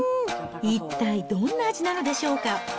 一体どんな味なのでしょうか。